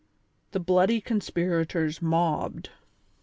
THE BLOODY CONSPIRATORS 3I0BBED.